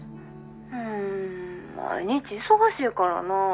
うん毎日忙しいからなぁ。